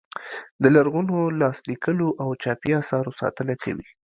د لرغونو لاس لیکلو او چاپي اثارو ساتنه کوي.